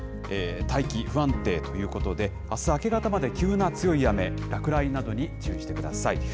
大気不安定ということで、あす明け方まで急な強い雨、落雷などに注意してください。